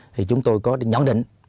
thì chúng tôi có nhận định